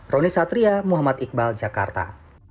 roni satria muhammad iqbal jakarta